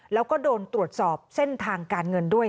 แล้วก็โดนตรวจสอบเส้นทางการเงินด้วย